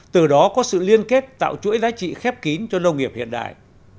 từ đó có sự liên kết tạo chuỗi giá trị khép kín cho nông nghiệp hiện đại